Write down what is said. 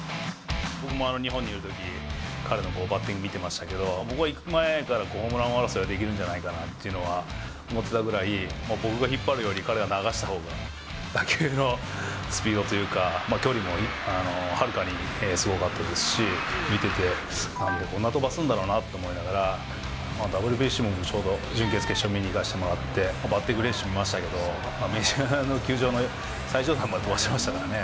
僕も日本にいるとき、彼のバッティング見てましたけど、僕は行く前から、ホームラン王争いができるんじゃないかなというのは思ってたぐらい、僕が引っ張るより、彼は流したほうが打球のスピードというか、距離もはるかにすごかったですし、見てて、なんでこんな飛ばすんだろうなと思いながら、ＷＢＣもちょうど準決、決勝も見にいかせていただいて、バッティング練習見ましたけど、メジャーの球場の最上段まで飛ばしてましたからね。